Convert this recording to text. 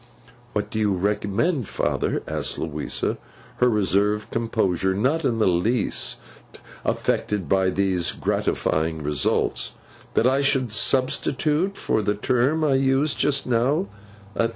'What do you recommend, father,' asked Louisa, her reserved composure not in the least affected by these gratifying results, 'that I should substitute for the term I used just now?